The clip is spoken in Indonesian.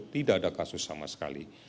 tidak ada kasus sama sekali